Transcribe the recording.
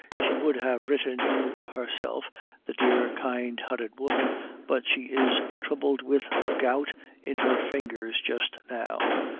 She would have written you herself, the dear kind hearted woman, but she is troubled with the gout in her fingers just now.